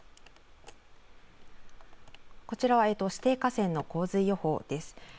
こちらは指定河川の洪水予報です。